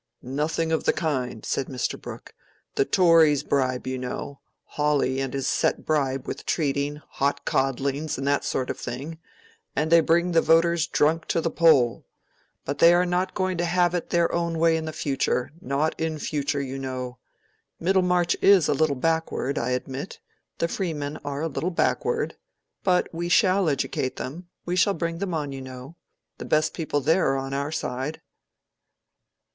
"Nothing of the kind," said Mr. Brooke. "The Tories bribe, you know: Hawley and his set bribe with treating, hot codlings, and that sort of thing; and they bring the voters drunk to the poll. But they are not going to have it their own way in future—not in future, you know. Middlemarch is a little backward, I admit—the freemen are a little backward. But we shall educate them—we shall bring them on, you know. The best people there are on our side."